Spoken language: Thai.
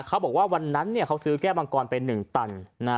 เขาบอกว่าวันนั้นเนี่ยเขาซื้อแก้บังกรเป็นหนึ่งตันนะ